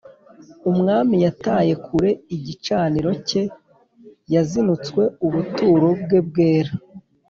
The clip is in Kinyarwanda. Umwami yataye kure igicaniro cye, Yazinutswe ubuturo bwe bwera.